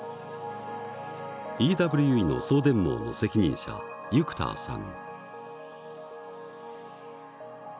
ＥＷＥの送電網の責任者ユクターさん。